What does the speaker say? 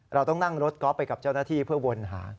เราต้องนั่งรถก็อปไปกับเจ้านาธิเพื่อวนหา